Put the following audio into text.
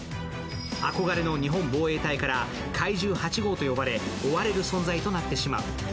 憧れの日本防衛隊から怪獣８号と呼ばれ追われる存在となってしまう。